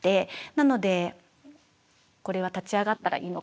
なのでこれは立ち上がったらいいのか。